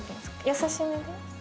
優しめで？